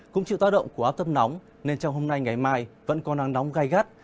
cũng chịu tác động của áp thấp nóng nên trong hôm nay ngày mai vẫn có nắng nóng gai gắt